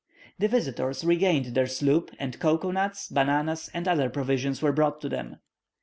The visitors regained their sloop, and cocoa nuts, bananas, and other provisions were brought to them.